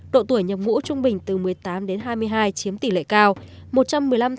độ tuổi nhập ngũ trung bình từ một mươi tám đến hai mươi hai chiếm tỷ lệ cao